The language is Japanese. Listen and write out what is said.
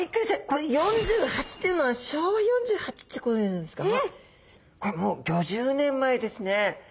これ「４８」っていうのは昭和４８ってことですか？